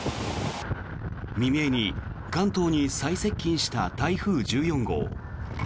未明に関東に最接近した台風１４号。